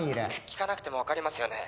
「聞かなくてもわかりますよね？」